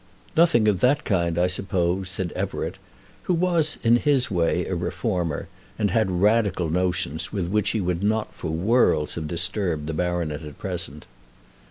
"Nothing of that kind, I suppose," said Everett, who was in his way a reformer, and had Radical notions with which he would not for worlds have disturbed the baronet at present.